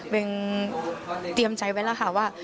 เวียงเตรียมใจไว้แล้วค่ะ